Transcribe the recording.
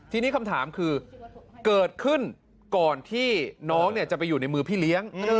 ทีนี้คำถามคือเกิดขึ้นก่อนที่น้องจะไปอยู่ในมือพี่เลี้ยง